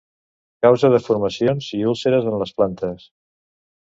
Causa deformacions i úlceres en les plantes.